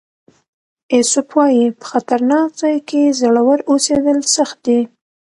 ایسوپ وایي په خطرناک ځای کې زړور اوسېدل سخت دي.